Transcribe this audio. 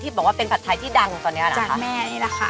ที่บอกว่าเป็นผัดไทยที่ดังตอนนี้ล่ะคะ